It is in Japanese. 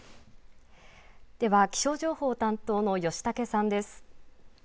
では気象情報担当の吉竹さんです。